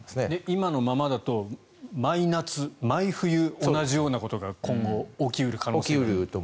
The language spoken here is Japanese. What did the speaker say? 今のままだと毎夏、毎冬同じようなことが今後、起き得る可能性があると。